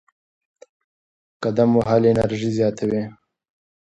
قدم وهل انرژي زیاتوي.